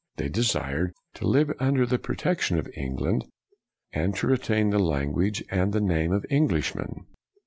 They desired " to live under the protection of England, and to retain the language and the name of Englishmen.''